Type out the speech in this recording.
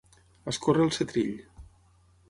Escórrer el setrill.